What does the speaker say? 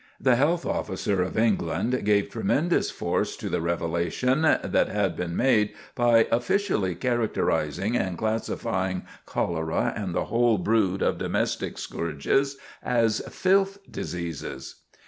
The Health Officer of England gave tremendous force to the revelation that had been made by officially characterizing and classifying cholera and the whole brood of domestic scourges as "filth diseases."